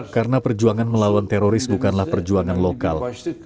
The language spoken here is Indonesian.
karena perjuangan melawan teroris bukanlah perjuangan lokal